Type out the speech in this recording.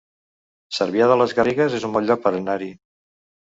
Cervià de les Garrigues es un bon lloc per anar-hi